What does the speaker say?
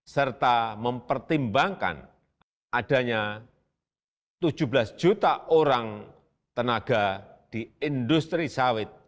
serta mempertimbangkan adanya tujuh belas juta orang tenaga di industri sawit